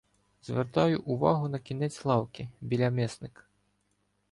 Звертаю увагу на кінець лавки біля мисника.